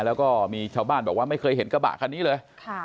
แล้วก็มีชาวบ้านบอกว่าไม่เคยเห็นกระบะคันนี้เลย